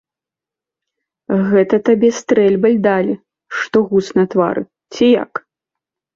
Гэта табе стрэльбай далі, што гуз на твары, ці як?